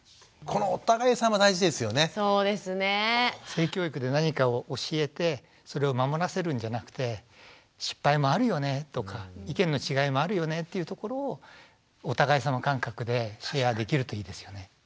性教育で何かを教えてそれを守らせるんじゃなくて失敗もあるよねとか意見の違いもあるよねっていうところをお互いさま感覚でシェアできるといいですよね。